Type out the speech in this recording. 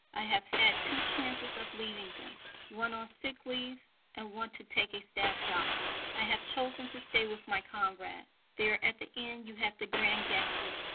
I have had two chances of leaving them one on sick leave and one to take a staff job. I have chosen to stay with my comrades. There at the end you have the grand gesture.